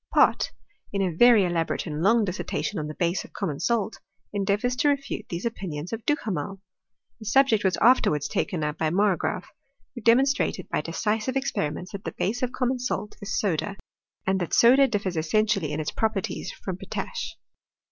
Pott, in a yery elaborate and Iqng dissertation on the base of common salt, endeavours to refute these opinions of Duhamel. The subject was afterwards taken up by Margraafy who demonstrated, by decisive expen ments, that the base of common salt is soda ; and that soda differs essentially in its properties from potash.